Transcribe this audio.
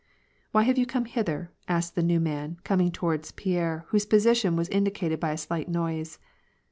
" Why have you come hither ?" asked the new man, coming toward Pierre, whose position was indicated by a slight noise.